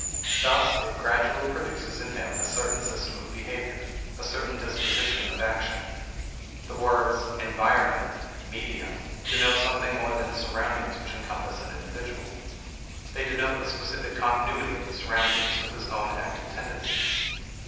Thus it gradually produces in him a certain system of behavior, a certain disposition of action. The words "environment," "medium" denote something more than surroundings which encompass an individual. They denote the specific continuity of the surroundings with his own active tendencies.